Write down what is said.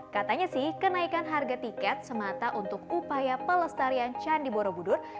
katanya sih kenaikan harga tiket semata untuk upaya pelestarian candi borobudur